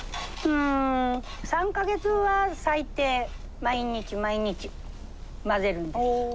ん３か月は最低毎日毎日混ぜるんです。